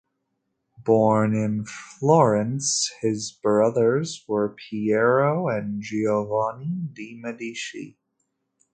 Born in Florence, his brothers were Piero and Giovanni de' Medici.